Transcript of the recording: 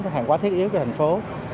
hàng hóa thiết yếu cho thành phố